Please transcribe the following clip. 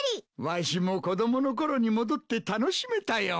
わしも子どもの頃に戻って楽しめたよ。